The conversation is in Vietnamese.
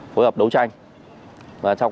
phối hợp đấu tranh